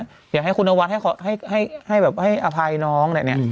อยากให้คุณนวัดให้อภัยน้องแบบนี้